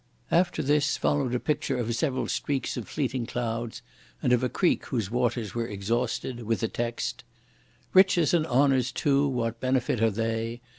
After this followed a picture of several streaks of fleeting clouds, and of a creek whose waters were exhausted, with the text: Riches and honours too what benefit are they?